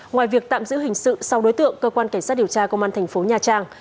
ngoài việc tạm giữ hình sự sau đối tượng cơ quan cảnh sát điều tra công an thành phố nha trang